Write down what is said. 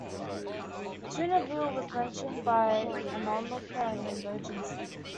Toonerville was mentioned by an onlooker in the Emergency!